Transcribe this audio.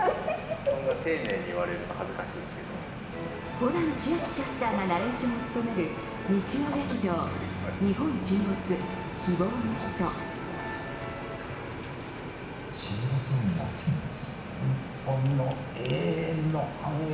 ホラン千秋キャスターがナレーションを務める日曜劇場「日本沈没−希望のひと−」。